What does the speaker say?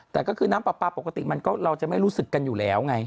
แต่ก็คือน้ำปลาปลาปกติมันก็เราจะไม่รู้สึกกันอยู่แล้วไง